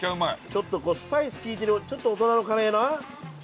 ちょっとこうスパイス利いてるちょっと大人のカレーな。